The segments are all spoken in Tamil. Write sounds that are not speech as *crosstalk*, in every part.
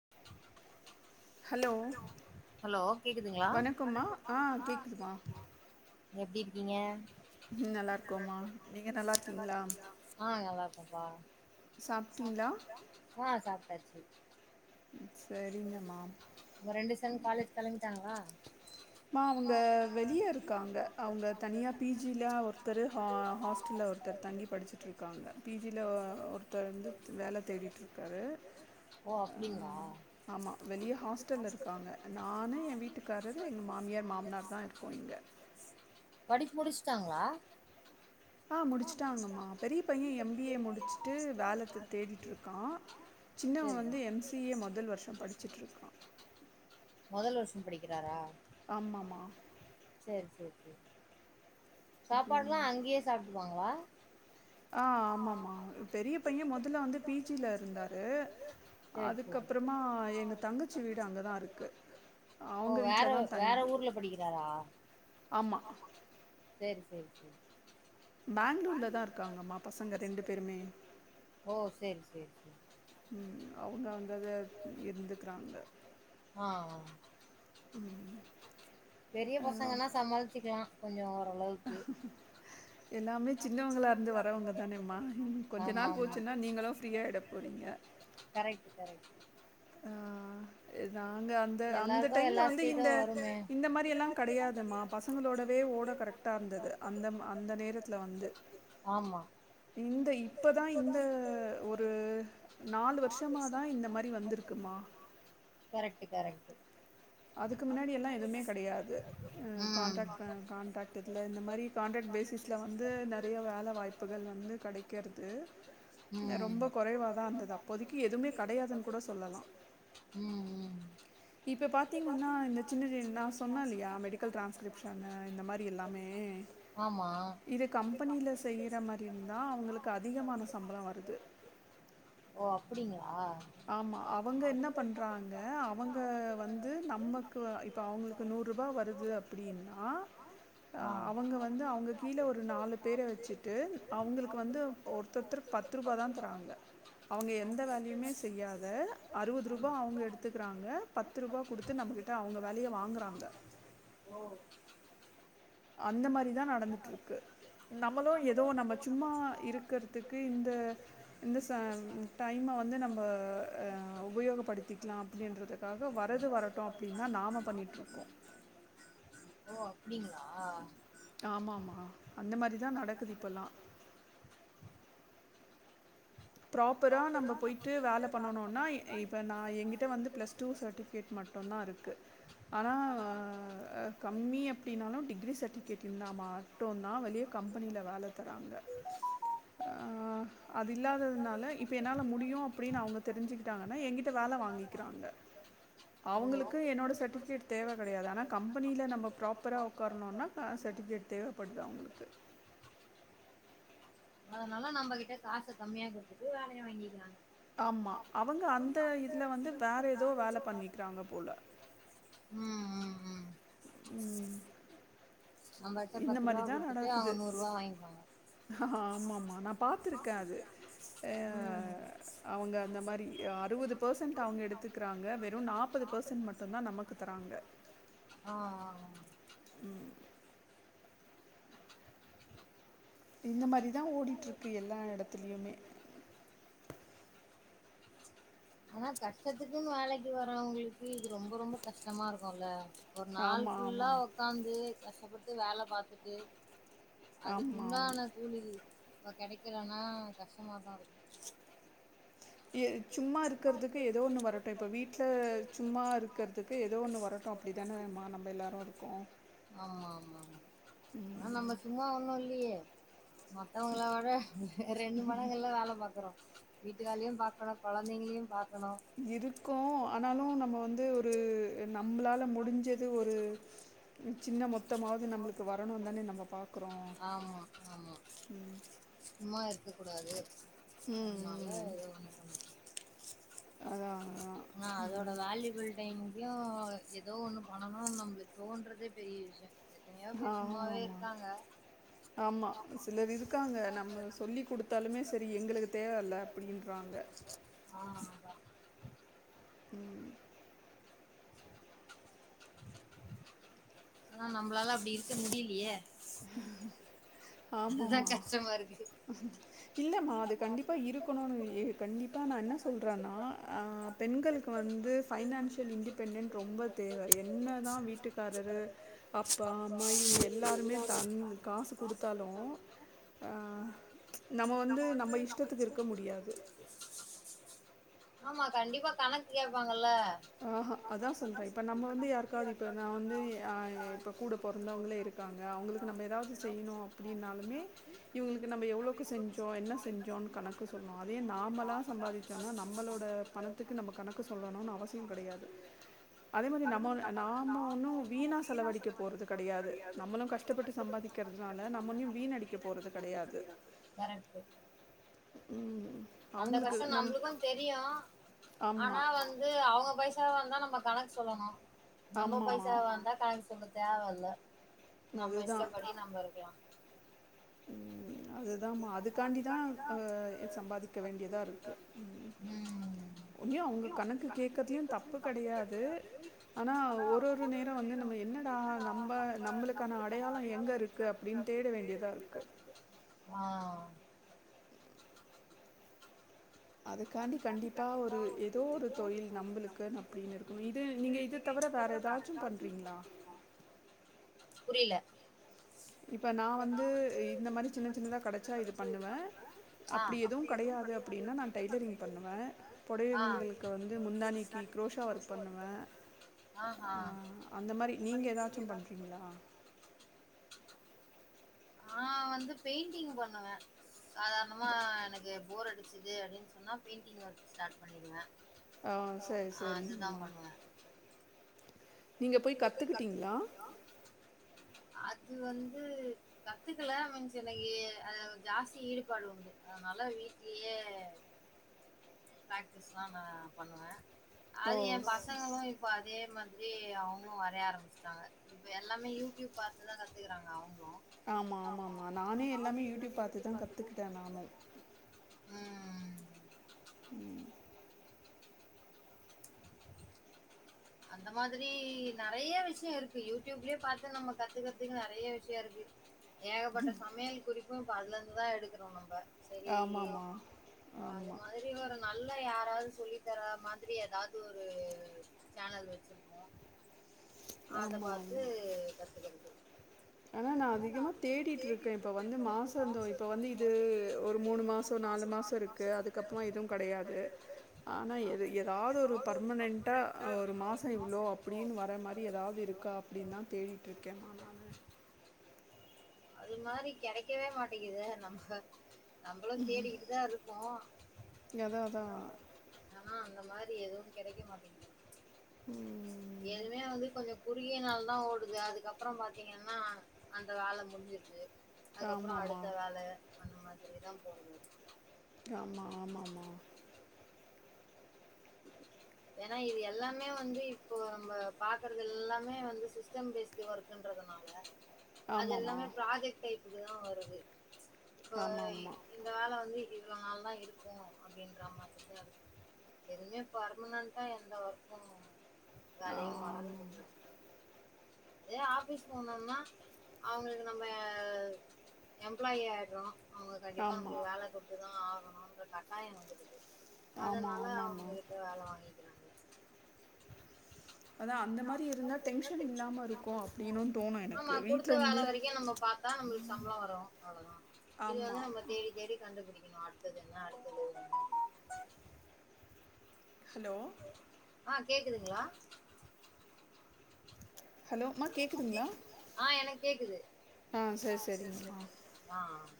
*inaudible* ஹலோ வணக்கம்மா ஆஹ் கேக்குதுமா எப்டி இருக்கீங்க உம் நல்லா இருக்கோமா நீங்க நல்லா இருக்கீங்களா அப்பா ஆஹ் சாப்ட்ங்களா ஹான் சாப்டாச்சு சரி உங்க ரெண்டு சண் காலேஜ் கிளம்பிட்டாங்களா அவங்க வெளியே இருக்காங்க அவங்க தனியா பிஜில ஒருத்தர் ஹ ஹாஸ்டல்ல ஒருத்தர் தங்கி படிச்சுட்டு இருக்காங்க பிஜில ஒருத்தர் வந்து வேல தேடிட்டு இருக்காரு அஹ் ஆமாம் வெளிய ஹாஸ்டல்ல இருக்காங்க நானு என் வீட்டுக்காரறு மாமியார் மாமனார் தான் இருக்கோம் இங்கே இருக்காங்களா ஆஹ் முடிச்சுட்டாங்கம்மா பெரிய பையன் எம்பிஏ முடிச்சுட்டு வேல தேடிட்டு இருக்கான் சின்னவன் வந்து எம்சிஏ முதல் வருஷம் படிச்சட்டு இருக்கான் முதல் வருஷம் படிக்கிறாரா சரி சரி சாப்பாடுல்லாம் அங்கயே சாப்பிடுவாங்களா ஆஹ் ஆமாமா பெரிய பையன் முதல்ல வந்து பிஜில இருந்தாரு அதுக்க அப்புறமா எங்க தங்கச்சி வீடு அங்கதான் இருக்கு அவங்க வீட்டுலதான் தங்கி ஆம்மா செரி செரி ஓ செரி செரி ஆஹ் பெரிய பசங்கன்னா சமாளிச்சிக்கலா கொஞ்சோம் என் ஆம்மா ஆமா கரெக்ட் கரெக்ட் நாங்க அந்த அந்த டைம்ல வந்து இந்த இந்த மாரி எல்லாம் கிடையாதுமா பசங்களோடவே ஓட கரெக்டா இருந்தது அந்த அந்த நேரத்துல வந்து இந்த இப்பதான் இந்த ஒரு நாலு வருஷமா தான் இந்த மாரி வந்திருக் ஆ கரெக்ட் கரெக்ட் அதுக்கு முன்னாடி எல்லாம் எதுவுமே கிடையாது அஹ் கான்ட்ராக்ட் ம்ம் கான்ட்ராக்ட் இதுல இந்த மாரி கான்ட்ராக்ட் பேசிஸ்ல வந்து நெறைய வேல வாய்ப்புகள் வந்து கிடைக்கறிறது ரொம்ப குறைவாதான் இருந்தது அப்போதைக்கு எதுவுமே கிடையாதுன்னு கூட சொல்லலாம் ஆமா ஓ அப்டிங்க ஆமா அவங்க என்ன பண்றாங்க கா அவங்க வந்து நமக்கு இப்போ அவளுக்கு நூறு ரூபா வருதுனா அப்டினா அவங்க வந்து அவங்க கீல ஒரு நாலூ பேர் வச்சுட்டு அவுங்க வந்து ஒருத்தர்த்தர்கு பத்துருபாதா தராங்க அவங்க எந்த வேலயுமே செய் செய்யாத அறுவது ரூபா அவங்க எடுத்துக்குறாங்க பத்து ரூபாய் கொடுத்து நம்மகிட்ட அவங்க வேலையை வாங்கறாங்க அந்த மாரிதான் நடந்துட்டு இருக்கு நம்மளும் ஏதோ நம்ப சும்மா இருக்கறதுக்கு இந்த டைம வந்து நம்ம அஹ் உபயோகப்படுத்தி அப்படின்றதுக்காக வரது வரட்டோம் அப்படின்னு நாம பண்ணிட்டு இருக்கோம் ஓ அப்படிங்களா ஆமா ஆமா அந்த மாரிதான் நடக்குது இப்பல்லாம் ப்ராப்பரா நம்ம போய்ட்டு வேலை பண்ணனும்னா இப்ப நான் எங்கிட்ட வந்து பிளஸ் டூ சர்ட்டிபிகேட் மட்டும்தான் இருக்கு ஆனா கம்மி அப்படின்னாலும் டிகிரி சர்ட்டிபிகேட் இருந்தா மட்டும்தான் வெளியே கம்பெனியில வேலை தராங்க ஆஹ் அது இல்லாத இப்ப என்னால முடியும் அப்படின்னு அவங்க தெரிஞ்சிகிட்டாங்கனா வேலை வாங்கிக்கிறாங்க அவங்களுக்கு என்னோட சர்டிபிகேட் தேவை கிடையாது ஆனா கம்பெனில நம்ப ப்ராப்பரா உக்காரனும்னா சர்டிபிகேட் தேவப்படுது அவங்களுக்கு அதனால நம்ப கிட்ட காசு கம்மியா கொடுத்து ஒரு வேலையும் வாங்கிக்கறாங்க ஆமா அவங்க அந்த இதுல வந்து வேற ஏதோ வேலை பண்ணிக்கிறாங்க போல உம் இந்த மாரிதான் நடக்குது ஆஹ் ஆமா ஆமா நான் பா்த்திருக்கேன் அது அஹ் அவங்க அந்த மாரி அறுபது பெர்சன்ட் அவங்க எடுத்துக்கிறாங்க வெறும் நாற்பது பெர்சன்ட் மட்டும்தான் நமக்கு தராங்க உம் இந்த மாரிதான் ஓடிட்டு இருக்கு எல்லா இடத்துலயுமே ஆனா கஷ்டத்துக்குன்னு வேலைக்கு வர்வங்களுக்கு இது ரொம்ப ரொம்ப கஷ்டமா இருக்கும்ல்ல ஒரு நாள் ஃபுல்லா உக்காந்து கஷ்டப்பட் வேலை பாத்துட்டு அதுக்கு உன்டான கூலி இப்ப கிடைக்கிறன்னா கஷ்டமாதான் இருக்கும் ஏ சும்மா இருக்கிறதுக்கு ஏதோ ஒன்று வரட்டும் இப்போ வீட்ல சும்மா இருக்கிறதுக்கு ஏதோ ஒன்று வரட்டும் அப்படி தானேம்மா நம்ப எல்லாரும் இருக்கோம் ஆமா ஆ நம்ப சும்மா ஒண்ணும் இல்லையே மத்தவங்கள விட ரெண்டு மடங்குல வேலை பாக்குறோம் வீட்டு வேலையும் பாக் அப்ப குழந்தைங்களையும் பாக் இருக்கும் ஆனாலும் நம்ம வந்து ஒரு நம்பமளா நம்மளால முடிஞ்சது ஒரு சின்ன மொத்தமாவது நம்மளுக்கு வரணும் தானே நம்ம பாக்குறோம் சும்மா இருக்க கூடாது அதனால ஏதோ ஒண்ண பண்ணு ஆன அதோட வேல்யூபிள் டைம் யோ ஏதோ ஒண்ணு பண்ணனு நம்ளுக் தோன்றதே பெரிய விஷய எத்தனையோ பேர் சும்மாவே இருக்காங்க ஆ அதா ஆனா நம்ளால அப்டி இருக்க முடியலியே ஹ *inaudible* ஆமாம்மா இல்லம்மா அது கண்டிப்பா இருக்கோன்னு ஏ கண்டிப்பா நா என்ன சொல்றன்னா ஆ பெண்களுக்கு வந்து ஃபைனான்ஷியல் இன்டிபெண்டன்ட் ரொம்ப தேவ என்ன தா வீட்டுக்காரரு அப்பா அம்மா இவுங்க எல்லாருமே தன் காசு குடுத்தாலு ஆ நம்ம வந்து நம்ம இஷ்டத்துக்கு இருக்க முடியாது ஆமா கண்டிப்பா கணக் கேபாங் ஆ ஹா அதா சொல்றே இப்ப நம்ம வந்து யாருக்காவது இப்ப நா வந்து இப்ப கூட பொறந்தவங்களே இருக்காங்க அவுங்களுக்கு நம்ம ஏதாவது செய்யுணு அப்டின்னாலுமே இவுங்குளுக்கு நம்ம எவ்ளோவுக்கு செஞ் சோ என்ன செஞ்சோ கணக்கு சொல்ணு அதே நாமலா சம்பாதிச்சோன்னா நம்பளோட பணத்துக்கு நம்ம கணக்கு சொல்லனுன்னு அவசி யு கடையாது அதே மாரி நம்ம நாம ஒன்னு வீணா செலவடிக்க போறது கடையாது நம்மளு கஷ்டப்பட்டு சம்பாதிக்கிறதுனால நம்ம ஒன்யு வீணடிக்க போறது கடையாது ம் அந்த கஷ்ட நம்ளுக்கு தெரியு ஆனா வந்து அவுங்க பை சாவா இருந்தா நம்ம கணக்கு சொல்லணு நம்ம பைசா வாந்தா கணக்கு சொல்ல தேவல இல நம்ம இஷ்டப்படி நம்ம இருக்கலா அது தா அதுக்காண்டி தா ஒ சம்பாதிக்க வேண்டியதா இருக்கு ஒன்யு அவுங்க கணக்கு கேட்கறதுலையு தப்பு கெடையாது ஆனா ஒரு ஒரு நேர வந்து நம்ம என்னடா நம்ப நம்மளுக்கான அடையாள எங்க இருக்கு அப்டின் தேட வேண்டியதா ஆ அதுக்காண்டி கண்டிப்பா ஒரு ஏதோ ஒரு தொழில் நம்ளுக்கு அப்டின்னு இருக்கணு இது நீங்க இது தவிர வேற ஏதாச்சு பண்றீங்களா புரில இப்ப நா வந்து இந்த மாரி சின்ன சின்னதா கிடைச்சா இது பண்ணுவே அப்டி எதுவு கிடையாது அப்டின்னா நா டைலரிங் பண்ணுவே புடைவங்களுக்கு வந்து முந்தாணிக்கு குரோஷா ஒர்க் பண்ணுவ அந்த மாரி நீங்க ஏதாச்சு பண்றீங்களா நா வந்து பெயிண்டிங் பண்ணுவ சாதாரணமா எனக்கு போர் அடிச்சுது அப்டின் சொன்னா பெயிண்டிங் ஒர்க் ஸ்டார்ட் பண்ணிடுவ அ செரி செரிங்மா நீங்க போய் கத்துக்கிட்டீங்களா அது வந்து கத்துக்கல மீன்ஸ் எனக்கு ஜாஸ்தி ஈடுபாடு உண்டு அதனால வீட்லயே பிராக்டிஸ்லா நா பண்ணுவ அது எ பசங்களு இப்போ அதே மா தி அவுங் களும் வரைய ஆரம்பிச்சிட்டா இப்ப எல்லாமே யூ டியூப் பாத்துதான் கத்துக்கறாங்க அவ்ங்க ஆமா ஆமா ஆமா நானே எல்லாமே யூடியூப் பாத்துதான் கத்துக்கிட்டேன் நானும் உம் அந்த மாதிரி நெறைய விஷயம் இருக்கு யூடியூப்லயே பாத்து நம்ம கத்துக்கிறதுக்கு நெறைய விஷயம் இருக்கு ஏகப்பட்ட சமையல் குறிப்பும் அதுல இருந்துதான் எடுக்குறோம் நம்ப செரி அது மாதிரி ஒரு நல்ல யாராது சொல்லி தர மாதிரி ஏதாது ஒரு சேனல் வச்சிருப்போம் அத பார்த்து கத்துக்கறது ஆனா நான் அதிகமா தேடிட்டு இருக்கேன் இப்ப வந்து மாசம் இருந்தோம் இப்ப வந்து இது ஒரு மூணு மாசம் நாலு மாசம் இருக்கு அதுக்கப்புறமா இதுவும் கிடையாது ஆனா ஏதாது ஒரு பர்மனன்டா ஒரு மாசம் இவ்ளோ அப்டின்னு வர மாரி ஏதாவது இருக்கா அப்டின்னு தான் தேடிகிட்டுருக்கேன் மா நானு அது மாரி கிடைக்கவே மாட்டேங்கிது நம்ப நம்மளும் தேடிக்கிட்டு தான் இருக்கோம் ஆன இந்த மாரி எதுவும் கிடைக்க மாட்டிங்கு எதுமே வந்து கொஞ்சம் குறுய நாள் தான் ஓடுது அதுக்கப்புறம் பாத்தீங்கன்னா அந்த வேல முடி *unintelligible* அதுக்கப்புறம் அடுத்த வேல அந்த மாரி இப்டிதான் போடனும் ஆமா ஆமாமா ஏன்னா இது எல்லாமே வந்து இப்போ நம்ம பாக்குறது எல்லாமே வந்து சிஸ்டம் பேஸ்டு ஒர்க்கன்றதுனால அதுெல்லாமே பிராஜக்ட் டைப் இதுதான் வருது இப்போ இந்த வேல வந்து இவளோ நாள் தான் இருக்கும் அப்டின்ற மாரிதா இருக்கு எதுவுமே பர் மனேட்டா எந்த ஒர்க்கும் வேலயும் வரகதில்ல அதே ஆபீஸ் போனோம்னா அவங்களுக்கு நம்ம எம்ப்ளாயி ஆயிடோறம் அவங்க கண்டிப்பா நம்மளுக்கு வேல கொடுத்துதா ஆகனும் அந்த கட்டாயம் வந்துடுது அதனால அவங்ககிட்ட வேல வா ஆமா குடுத்த வேல வரைக்கும் நம்ம பாத்தா நம்ளுக்கு சம்பளம் வரும் அவ்ளவுதான் இது வந்து நம்ம தேடி தேடி கண்டுபிடி இன்னும் அடுத்தது என்ன அடுத்தது *unintelligible* ஹலோ ஆஹ் கேக்குதுங்களா ஆஹ் எனக்கு கேக்குது ஆஹ் ஆஹ்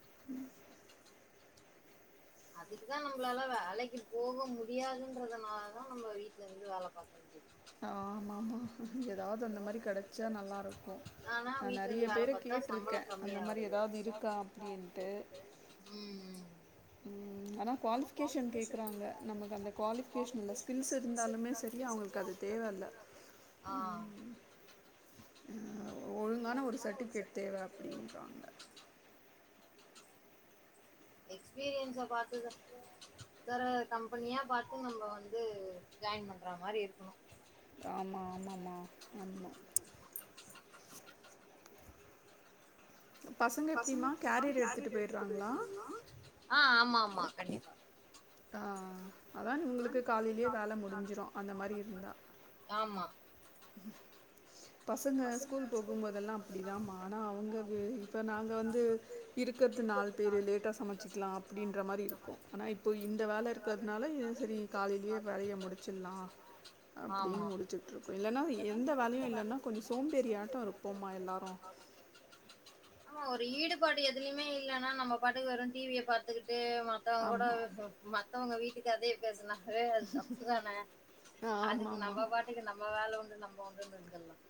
*inaudible* அதுக்குதான் நம்மளாலா வேலைக்கு போக முடியாதுன்றதுனால தான் நம்ம வீட்ல இருந்து வேல பாக்குரோம் ஆமாம்பா ஏதாவது அந்த மாரி கெடைச்சா நல்லா இருக்கும் நான் நறைய பேரை கேட்டிருக்கேன் அந்த மாரி ஏதாவது இருக்கா அப்டின்டு ஆனா குவாலிஃபிகேஷன் கேட்குறாங்க நமக்கு அந்த குவாலிஃபிகேஷன் இல்லை ஸ்கில்ஸ் இருந்தாலுமே சரி அவுங்களுக்கு அது தேவையில்ல ஒழுங்கான ஒரு சர்ட்டிஃபிகேட் தேவ அப்படின்றாங்க எக்ஸ்பீரியன்ஸ பாத்து தான்வேறவேற கம்பெனியா பாத்து நம்ம வந்து ஜாயின் பண்ற மாரி இருக்கும் ஆமா ஆமமா ஆமா பசங்க எப்டிமா கேரியர் எடுத்து போயறாங்களா ஆஹ் ஆமா ஆமா ஆமா கண்டிப்பா ஆஹ் அதான் உங்களுக்கு காலையிலே வேலை முடிஞ்சிரும் அந்த மாரி இருந்தா *inaudible* பசங்க ஸ்கூல் போகும்போதெல்லாம் அப்படிதாம்மா ஆனா அவுங்க இப்போ நாங்க வந்து இருக்றது நாலு பேர் லேட்டா சமைச்சிக்கலாம் அப்படின்ற மாரி இருக்கும் ஆனால் இப்போது இந்த வேலை இருக்கிறதுனால இது சரி காலையிலயே வேலையை முடிச்சிடலாம் அப்டின்னு முடிச்சிட்டுருக்கோம் இல்லன்னா எந்த வேலையும் இல்லைன்னா கொத் சோம்பேறி ஆட்டம் இருப்போமா எல்லாரும் ஆமா ஒரு ஈடுபாடு எதுலையுமே இல்லன்னா நம்ம பாட்டுக்கு வெரும் டிவிய பாத்துக்கிட்டு மத்தவுங்க கூட மத்தவங்க வீட்டுக்கு கதைய பேசுனா அதே அது தப்பு தான அதுக்கு நம்ம பாட்டுக்குனு நம்ம வேலை உண்டு நம்ம போங்கன்னு இருந்திர்லாம்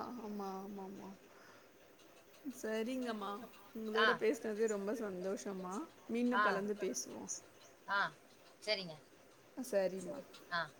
ஆமாமஆமா ஆமா சரிங்கம்மா உங்களோட பேசுனதே ரொம்ப சந்தோஷமா மீண்டும் கலந்து பேசுவோம் சரிங்க ஆஹ்